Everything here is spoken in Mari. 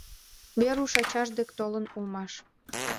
Веруш ачаж дек толын улмаш.